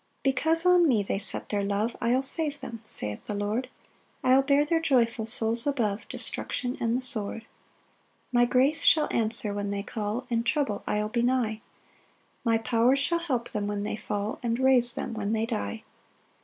6 "Because on me they set their love "I'll save them," saith the Lord; "I'll bear their joyful souls above "Destruction and the sword. 7 "My grace shall answer when they call; "In trouble I'll be nigh; "My power shall help them when they fall, "And raise them when they die.